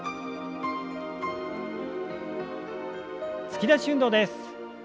突き出し運動です。